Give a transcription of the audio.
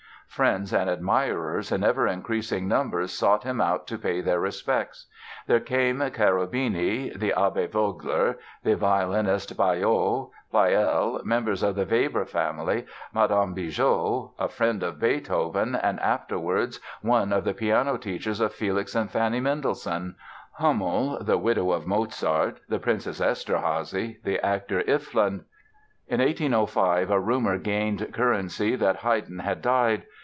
Friends and admirers in ever increasing numbers sought him out to pay their respects. There came Cherubini, the Abbé Vogler, the violinist Baillot, Pleyel, members of the Weber family, Mme. Bigot—a friend of Beethoven and afterwards one of the piano teachers of Felix and Fanny Mendelssohn; Hummel, the widow of Mozart, the Princess Eszterházy, the actor, Iffland. In 1805 a rumor gained currency that Haydn had died.